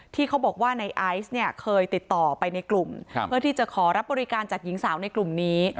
ที่เขาบอกว่าในไอซ์เนี่ยเคยติดต่อไปในกลุ่มเพื่อที่จะขอรับบริการจากหญิงสาวในกลุ่มนี้